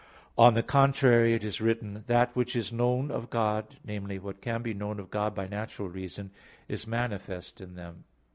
On the contrary, It is written (Rom. 1:19), "That which is known of God," namely, what can be known of God by natural reason, "is manifest in them."